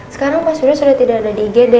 sekarang pak surya sudah tidak ada di igd